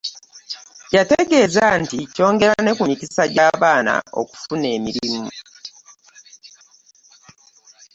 Y'ategeeza nti kyongera ne ku mikisa gy'abaana okufuna emirimu